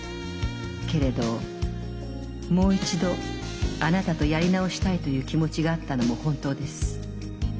けれどもう一度あなたとやり直したいという気持ちがあったのも本当です。